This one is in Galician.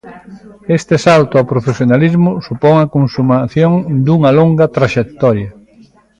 Este salto ao profesionalismo supón a consumación dunha longa traxectoria.